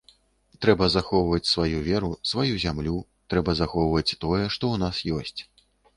Трэба захоўваць сваю веру, сваю зямлю, трэба захоўваюць тое, што ў нас ёсць.